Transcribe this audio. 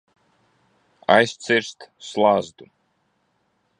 Aizcirst slazdu.